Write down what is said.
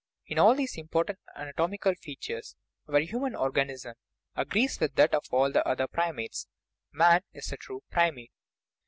In all these important anatomical features our human organism agrees with that of all the other primates : man is a true primate.